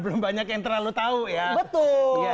belum banyak yang terlalu tahu ya